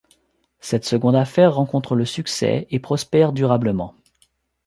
Cette seconde affaire rencontre le succès et prospère durablement.